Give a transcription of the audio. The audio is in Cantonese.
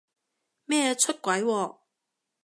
咩出軌喎？